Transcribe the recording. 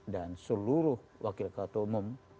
dan seluruh wakil ketua umum